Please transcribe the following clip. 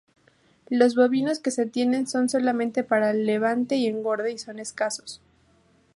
Los bovinos que se tienen son solamente para levante y engorde y son escasos.